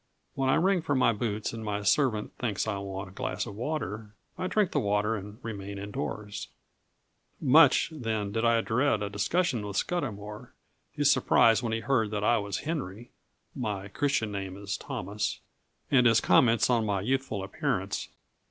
When I ring for my boots and my servant thinks I want a glass of water, I drink the water and remain indoors. Much, then, did I dread a discussion with Scudamour, his surprise when he heard that I was Henry (my Christian name is Thomas), and his comments on my youthful appearance.